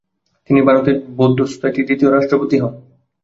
তিনি ভারতের বৌদ্ধ সোসাইটির দ্বিতীয় রাষ্ট্রপতি হন।